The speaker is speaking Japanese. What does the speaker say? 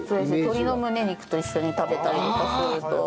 鶏のムネ肉と一緒に食べたりとかすると。